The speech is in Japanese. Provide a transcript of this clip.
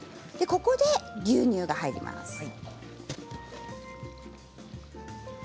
ここで牛乳が入ります。